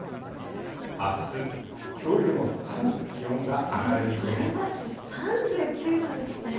あす、きょうよりもさらに気温が上がる見込みです。